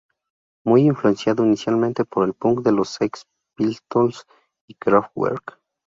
Muy influenciado inicialmente por el punk de los Sex Pistols y Kraftwerk.